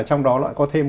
trong đó loại có thêm